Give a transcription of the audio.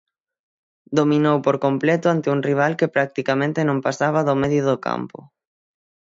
Dominou por completo ante un rival que practicamente non pasaba do medio do campo.